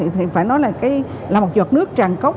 thì phải nói là một giọt nước tràn cốc